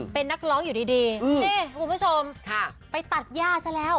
เป็นนักร้องอยู่ดีพูดมาชมไปตัดย่าเสียแล้ว